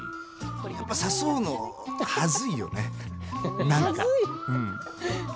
やっぱ誘うの、ハズいよねなんか、うん。